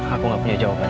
aku gak punya jawaban